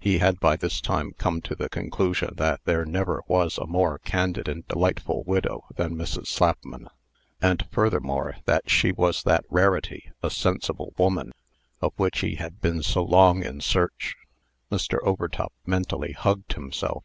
He had by this time come to the conclusion that there never was a more candid and delightful widow than Mrs. Slapman; and, furthermore, that she was that rarity a sensible woman of which he had been so long in search. Mr. Overtop mentally hugged himself.